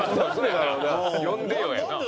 「呼んでよ」やな。